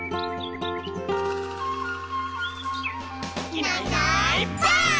「いないいないばあっ！」